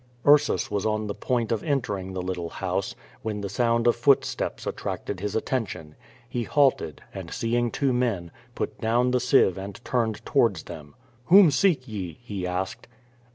Ursus was on the point of entering the little house, when the sound of footsteps attracted his attention. He haltcil, and seeing two men, put down the sieve and turned towards! them. "WTiom seek ye?" he asked.